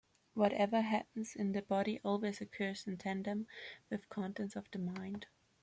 Whatever happens in the body always occurs in tandem with contents of the mind.